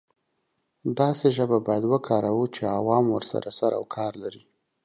داسې ژبه باید وکاروو چې عوام ورسره سر او کار لري.